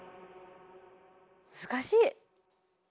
難しい！